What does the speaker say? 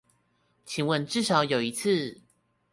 請問至少有一次